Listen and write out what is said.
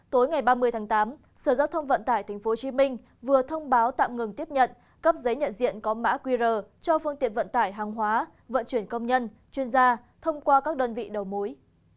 tối ngày ba mươi tháng tám sở giao thông vận tải tp hcm vừa thông báo tạm ngừng tiếp nhận cấp giấy nhận diện có mã qr cho phương tiện vận tải hàng hóa vận chuyển công nhân chuyên gia thông qua các đơn vị đầu mối